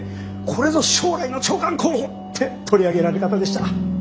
これぞ将来の長官候補！って取り上げられ方でした。